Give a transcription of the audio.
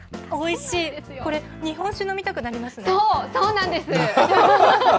これ、日本酒飲みたくなりまそう、そうなんです！